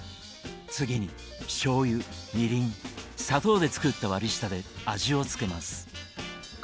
次にしょうゆみりん砂糖で作った割り下で味を付けます。